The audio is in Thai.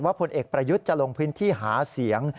พลเอกประยุทธ์จะลงพื้นที่หาเสียง